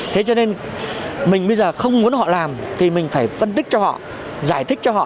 thế cho nên mình bây giờ không muốn họ làm thì mình phải phân tích cho họ giải thích cho họ